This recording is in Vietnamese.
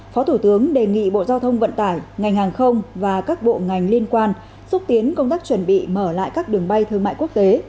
phó thủ tướng đề nghị bộ giao thông vận tải ngành hàng không và các bộ ngành liên quan xúc tiến công tác chuẩn bị mở lại các đường bay thương mại quốc tế